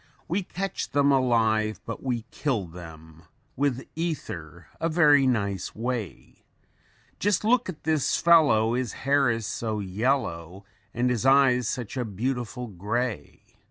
WE CATCH THEM ALIVE, BUT WE KILL THEM, WITH ETHER A VERY NICE WAY: Just look at this fellow his hair is so yellow, And his eyes such a beautiful gray.